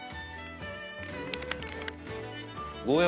ゴーヤ